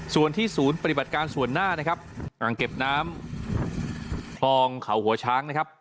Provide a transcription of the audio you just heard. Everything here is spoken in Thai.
ส่วนที่ศูนย์ปฏิบัติการส่วนหน้านะครับอ่างเก็บน้ำคลองเขาหัวช้างนะครับ